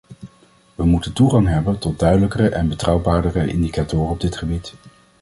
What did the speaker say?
We moeten toegang hebben tot duidelijkere en betrouwbaardere indicatoren op dit gebied.